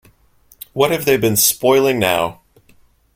What have they been spoiling now?